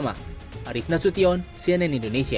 arif nasution cnn indonesia